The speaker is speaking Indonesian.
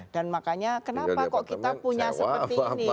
dan makanya kenapa kok kita punya seperti ini